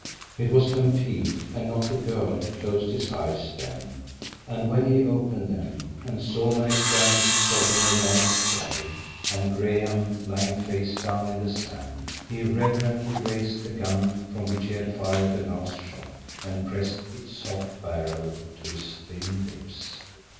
It was Stampede, and not the girl, who closed his eyes then; and when he opened them and saw Mary Standish sobbing over Alan's body, and Graham lying face down in the sand, he reverently raised the gun from which he had fired the last shot, and pressed its hot barrel to his thin lips.